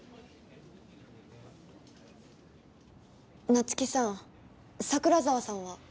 那月さん桜沢さんは？